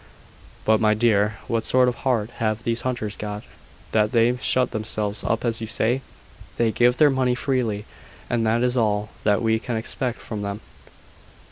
But, my dear, what sort of a heart have these Hunters got, that they shut themselves up as you say?" "They give their money freely: and that is all that we can expect from them.